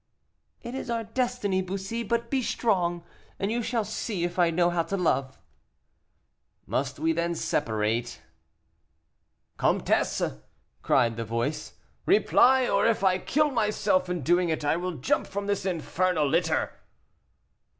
"It is our destiny, Bussy; but be strong, and you shall see if I know how to love." "Must we then separate?" "Comtesse!" cried the voice, "reply, or, if I kill myself in doing it, I will jump from this infernal litter."